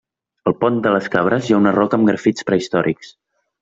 Al Pont de les Cabres hi ha una roca amb grafits prehistòrics.